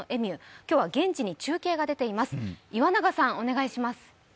今日は現地に中継が出ています。